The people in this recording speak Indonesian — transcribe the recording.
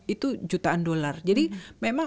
itu jutaan dolar jadi memang